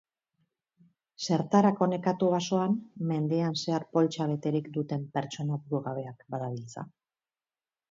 Zertarako nekatu basoan, mendian zehar poltsa beterik duten pertsona burugabeak badabiltza?